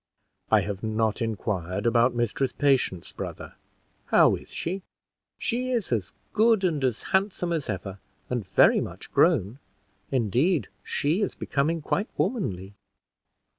"I have not inquired about Mistress Patience, brother; how is she?" "She is as good and as handsome as ever, and very much grown; indeed, she is becoming quite womanly."